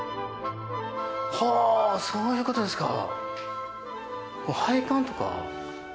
はあーそういうことですか。